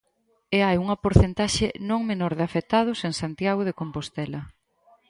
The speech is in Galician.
E hai unha porcentaxe non menor de afectados en Santiago de Compostela.